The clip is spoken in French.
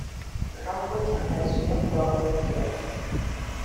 Lambrequins d'azur bordés de gueules.